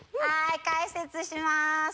はい解説します。